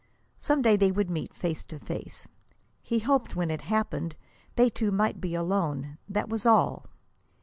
Some day they would meet face to face. He hoped, when it happened, they two might be alone; that was all.